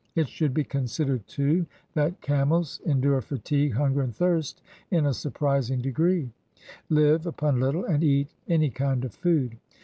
It should be considered too that camels endure fatigue, hunger, and thirst in a surprising degree, live upon little, and eat any kind of food.